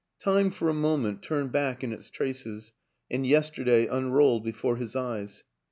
Time, for a moment, turned back in its traces and yesterday unrolled before his eyes.